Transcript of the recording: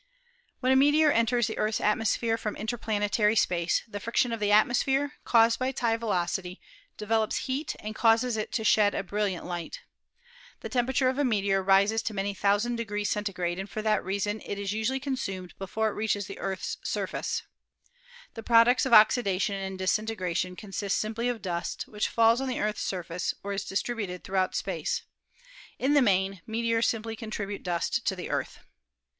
When a meteor enters the Earth's atmosphere from interplanetary space, the friction of the atmosphere, caused by its high velocity, develops heat and causes it to shed a brilliant light. The temperature of a meteor rises to many thousand degrees Centigrade, and for that reason 252 ASTRONOMY it is usually consumed before it reaches the Earth's surface. The products of oxidation and disintegration con sist simply of dust, which falls on the Earth's surface or is distributed throughout space. In the main, meteors simply contribute dust to the Earth.